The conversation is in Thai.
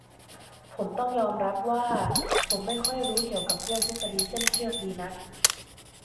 ผมต้องยอมรับว่า ผมไม่ค่อยรู้เกี่ยวกับเรื่อง ทฤษฎีเส้นเชือก ดีนัก